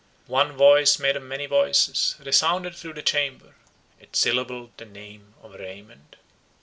One voice made of many voices, resounded through the chamber; it syllabled the name of Raymond.